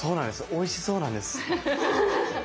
おいしそうなんです。